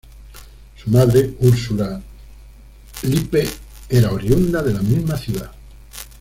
Su madre, Ursula Lippe, era oriunda de la misma ciudad.